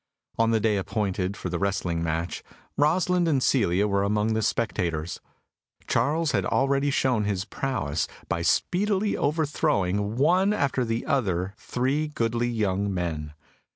On the day appointed for the wrestling match, Rosalind and Celia were among the spectators. Charles had already shown his prowess by speedily overthrowing one after the other three goodly young men.